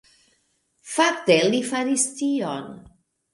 Fakte, li faris tion